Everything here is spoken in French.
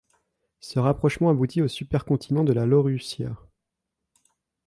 Ce rapprochement aboutit au supercontinent de la Laurussia.